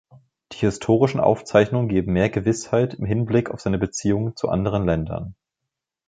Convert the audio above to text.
Die historischen Aufzeichnungen geben mehr Gewissheit im Hinblick auf seine Beziehungen zu anderen Ländern.